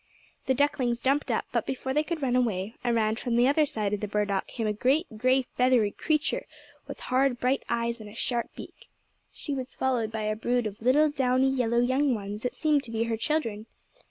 The ducklings jumped up, but before they could run away, around from the other side of the burdock came a great grey, feathery creature, with hard, bright eyes and a sharp beak. She was followed by a brood of little, downy, yellow young ones that seemed to be her children.